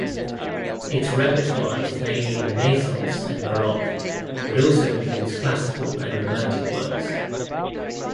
Its repertoire is mainly Renaissance and Baroque but also includes classical and romantic works.